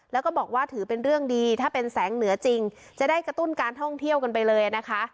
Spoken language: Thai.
แล้วก็บอกว่าถือเป็นเรื่องดีถ้าเป็นแสงเหนือจริงจะได้กระตุ้นการท่องเที่ยวกันไปเลยนะคะ